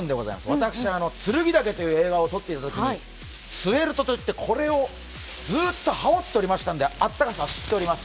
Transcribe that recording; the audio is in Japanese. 私、「剱岳」という映画を撮っていたときにツエルトといってこれをずっと羽織っておりましたので、暖かさは知っております。